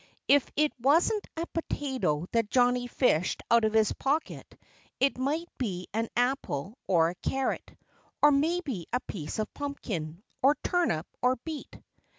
If it wasn't a potato that Johnnie fished out of his pocket it might be an apple or a carrot, or maybe a piece of pumpkin, or turnip, or beet.